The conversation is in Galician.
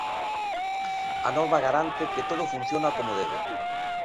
A norma garante que todo funciona como debe.